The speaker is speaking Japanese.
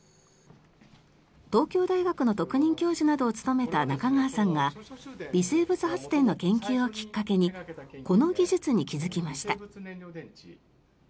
東京大学の特任教授などを務めた中川さんが微生物発電の研究をきっかけにこの技術に気付きました。